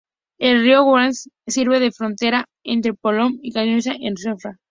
El río Guadalest sirve de frontera entre Polop y Callosa d'en Sarriá.